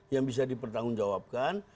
yang bisa dipertanggungjawabkan